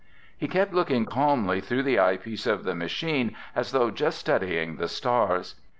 He kept looking calmly through the eyepiece of the machine as though just studying the stars.